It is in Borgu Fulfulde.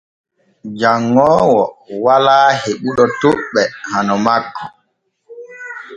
Janŋoowo walaa heɓuɗo toɓɓe hano makko.